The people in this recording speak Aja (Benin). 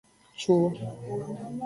Cu.